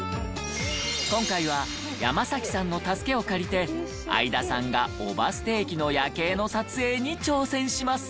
今回は山さんの助けを借りて相田さんが姨捨駅の夜景の撮影に挑戦します。